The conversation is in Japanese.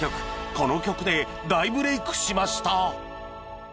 この曲で大ブレイクしました